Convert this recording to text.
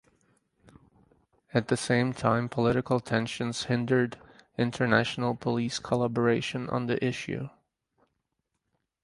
At the same time political tensions hindered international police collaboration on the issue.